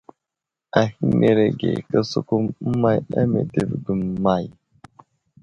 Ahənerege :» kəsəkum əmay á meltivi ge may ?«.